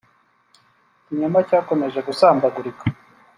Ikinyoma cyakomeje gusambagurika